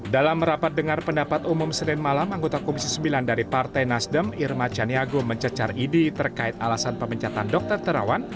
dalam rapat dengar pendapat umum senin malam anggota komisi sembilan dari partai nasdem irma caniago mencecar idi terkait alasan pemencatan dokter terawan